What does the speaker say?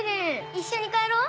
一緒に帰ろう。